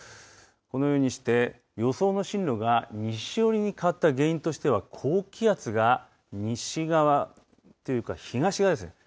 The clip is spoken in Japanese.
このようにして予想の進路が西寄りに変わった原因としては高気圧が西側というか東側ですね。